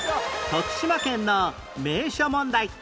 徳島県の名所問題